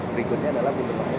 berikutnya adalah kembang kembang